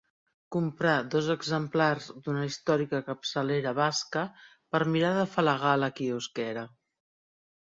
Comprar dos exemplars d'una històrica capçalera basca per mirar d'afalagar la quiosquera.